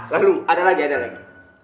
lalu ada lagi ada lagi